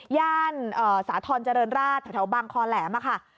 ย่านเอ่อสาธรณ์เจริญราชถ้าแถวบ้างคอแหลมอะค่ะ